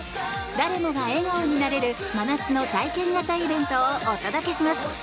誰もが笑顔になれる真夏の体験型イベントをお届けします！